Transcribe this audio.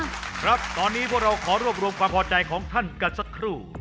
ครับตอนนี้พวกเราขอรวบรวมความพอใจของท่านกันสักครู่